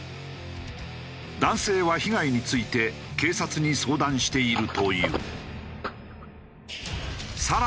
男性は被害について警察に相談しているという。